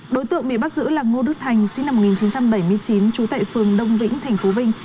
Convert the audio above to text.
đối tượng bị bắt giữ là ngô đức thành sinh năm một nghìn chín trăm bảy mươi chín trú tại phường đông vĩnh thành phố vinh